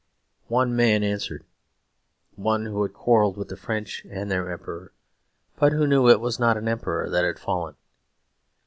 One man answered; one who had quarrelled with the French and their Emperor; but who knew it was not an emperor that had fallen.